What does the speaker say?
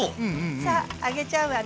さあ上げちゃうわね。